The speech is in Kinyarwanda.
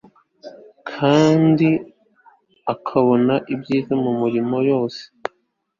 kandi akabonera ibyiza mu mirimo yose